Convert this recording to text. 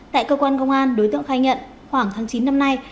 tại cơ quan công an đối tượng khai nhận khoảng tháng chín năm nay